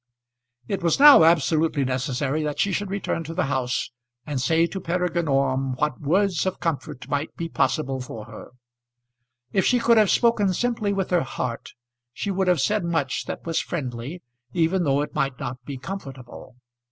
It was now absolutely necessary that she should return to the house, and say to Peregrine Orme what words of comfort might be possible for her. If she could have spoken simply with her heart, she would have said much that was friendly, even though it might not be comfortable.